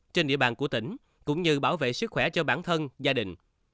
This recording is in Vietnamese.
trên địa bàn của tỉnh cũng như bảo vệ sức khỏe cho bản thân gia đình